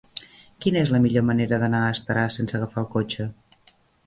Quina és la millor manera d'anar a Estaràs sense agafar el cotxe?